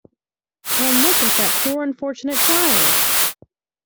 And look at that poor unfortunate child!